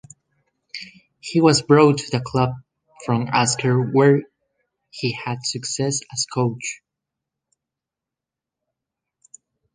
He was brought to the club from Asker where he had success as coach.